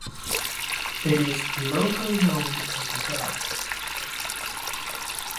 It is locally known as The Gut.